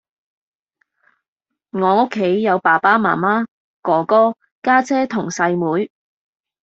我屋企有爸爸媽媽，哥哥，家姐同細妹